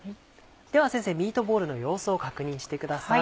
では先生ミートボールの様子を確認してください。